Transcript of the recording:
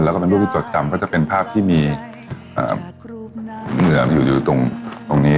แล้วก็เป็นรูปที่จดจำก็จะเป็นภาพที่มีอยู่ตรงนี้